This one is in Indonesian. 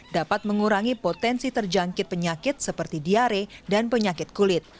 dapat mengurangi potensi terjangkit penyakit seperti diare dan penyakit kulit